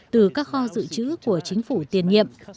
từ các kho dự trữ của chính phủ tiền nhiệm